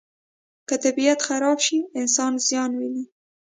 که طبیعت خراب شي، انسان زیان ویني.